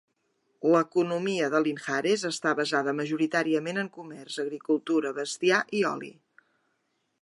L'economia de Linhares està basada majoritàriament en comerç, agricultura, bestiar i oli.